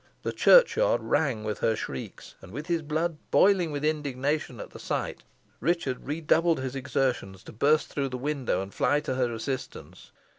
The churchyard rang with her shrieks, and, with his blood boiling with indignation at the sight, Richard redoubled his exertions to burst through the window and fly to her assistance.